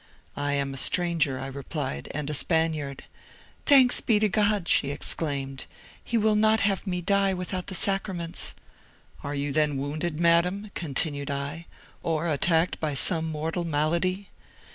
'I am a stranger,' I replied, 'and a Spaniard.' 'Thanks be to God!' she exclaimed, 'he will not have me die without the sacraments.' 'Are you then wounded, madam?' continued I, 'or attacked by some mortal malady?'